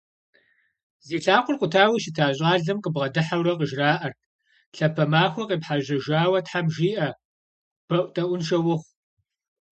Зи лъакъуэр къутауэ щыта щӀалэм къыбгъэдыхьэурэ къыжраӏэрт: «Лъапэ махуэ къепхьэжьэжауэ тхьэм жиӀэ. БэӀутӀэӀуншэ ухъу».